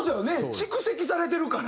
蓄積されてるから。